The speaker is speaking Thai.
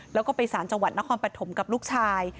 แล้วก็ไปสารจังหวัดนครปฐมกับลูกชาย